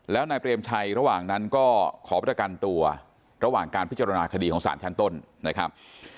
แล้วนายเปรมชัยระหว่างนั้นก็ขอประกันตัวระหว่างการพิจารณาคดีของสารชั้นต้นนะครับ